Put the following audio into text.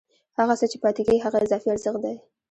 هغه څه چې پاتېږي هغه اضافي ارزښت دی